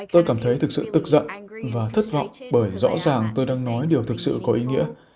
tôi cảm thấy thực sự tức giận và thất vọng bởi rõ ràng tôi đang nói điều thực sự có ý nghĩa